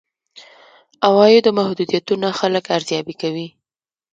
عوایدو محدودیتونه خلک ارزيابي کوي.